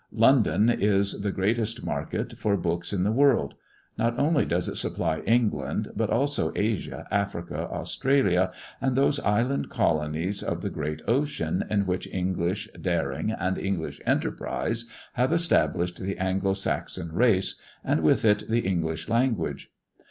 London is the greatest market for books in the world. Not only does it supply England, but also Asia, Africa, Australia, and those island colonies of the great ocean, in which English daring and English enterprise have established the Anglo Saxon race, and with it the English language.